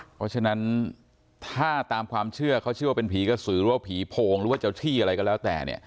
เพราะฉะนั้นถ้าตามความเชื่อเขาเชื่อว่าเป็นผีกระสือหรือว่าผีโพงหรือว่าเจ้าที่อะไรก็แล้วแต่เนี่ย